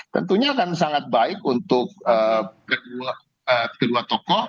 tentunya akan sangat baik untuk kedua tokoh